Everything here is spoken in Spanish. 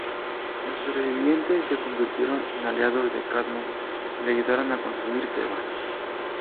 Los sobrevivientes se convirtieron en aliados de Cadmo y le ayudaron a construir Tebas.